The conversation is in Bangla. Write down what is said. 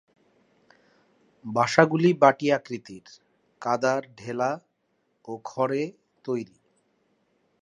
বাসাগুলি বাটি আকৃতির, কাদার ডেলা ও খড়ে তৈরি।